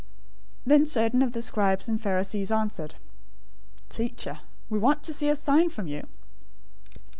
012:038 Then certain of the scribes and Pharisees answered, "Teacher, we want to see a sign from you."